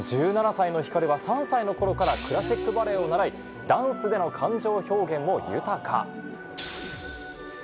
１７歳のＨＩＫＡＲＵは３歳の頃からクラシックバレエを習い、ダンスや感情表現も豊か。